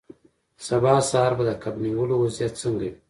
سبا سهار به د کب نیولو وضعیت څنګه وي